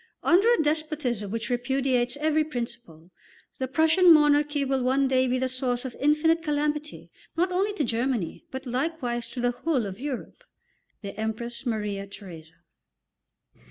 Under a despotism which repudiates every principle, the Prussian monarchy will one day be the source of infinite calamity, not only to Germany, but likewise to the whole of Europe." THE EMPRESS MARIA THERESA.